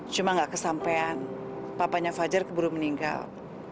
cuma nggak kesampean papanya fajar keburu meninggal